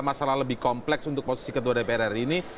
masalah lebih kompleks untuk posisi ketua dprr ini